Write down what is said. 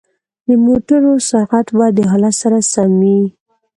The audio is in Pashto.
د موټرو سرعت باید د حالت سره سم وي.